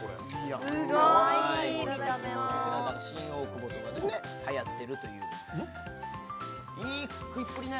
すごい見た目はこちらが新大久保とかではやっているといういい食いっぷりね